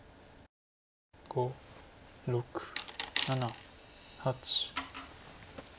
５６７８。